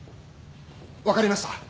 分かりました。